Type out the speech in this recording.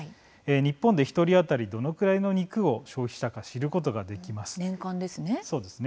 日本で、１人当たりどのくらいの肉を消費したか知ることができます。